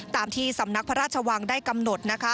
ตามที่สำนักพระราชวังได้กำหนด